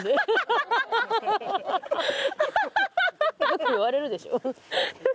よく言われるでしょ？